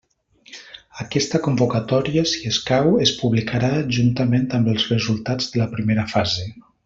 Aquesta convocatòria, si escau, es publicarà juntament amb els resultats de la primera fase.